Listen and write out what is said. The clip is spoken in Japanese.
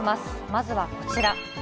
まずはこちら。